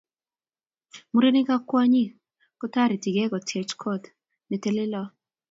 Mureniik ak kwonyiik kotoretigei koteech koot ne teleloot.